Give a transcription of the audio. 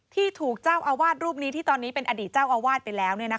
ที่ถูกเจ้าอาวาสรูปนี้ที่ตอนนี้เป็นอดีตเจ้าอาวาสไปแล้ว